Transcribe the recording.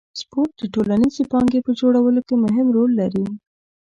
سپورت د ټولنیزې پانګې په جوړولو کې مهم رول لري.